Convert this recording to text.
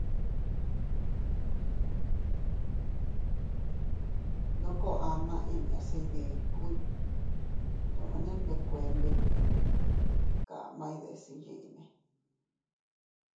Ndoko ama inña se iydikuy tomene nbekuendey ndi kaʼmay deʼes iyyinne.